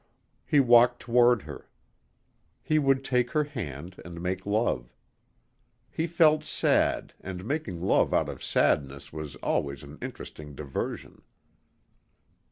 He walked toward her. He would take her hand and make love. He felt sad and making love out of sadness was always an interesting diversion.